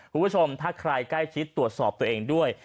คุณผู้ชมถ้าใครใกล้ชิดตรวจสอบตัวเองด้วย